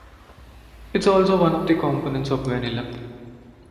It is also one of the components of vanilla.